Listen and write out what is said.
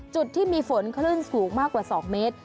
จุดที่มีฝนคลื่นสูงมากกว่า๒เมตร